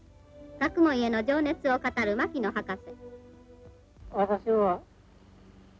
学問への情熱を語る牧野博士」。